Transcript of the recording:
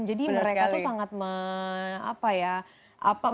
jadi mereka tuh sangat apa ya